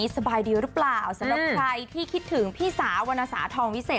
สบายดีหรือเปล่าสำหรับใครที่คิดถึงพี่สาววรรณสาธองวิเศษ